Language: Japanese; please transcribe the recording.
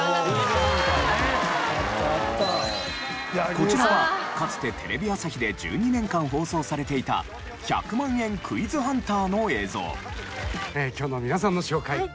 こちらはかつてテレビ朝日で１２年間放送されていた『１００万円クイズハンター』の映像。